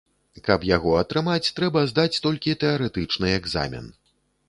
Каб яго атрымаць, трэба здаць толькі тэарэтычны экзамен.